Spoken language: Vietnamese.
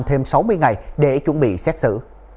thêm sáu mươi ngày để chuẩn bị xét xử